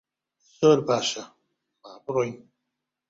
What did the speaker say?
زۆر باشە، با بڕۆین.